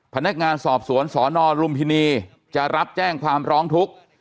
พนักงานสอบสวนสนลุมพินีจะรับแจ้งความร้องทุกข์